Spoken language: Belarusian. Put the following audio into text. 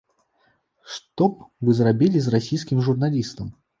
Што б вы зрабілі з расійскім журналістам?